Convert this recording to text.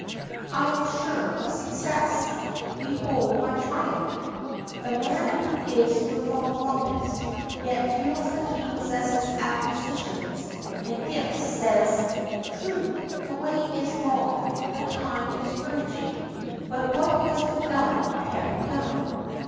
I am sure of success. Behold my triumph!" The man who is withal modest, yet feels that he possesses acquisitions and gifts, says: "True, the way is long, the time discouraging, but what has been done can be done.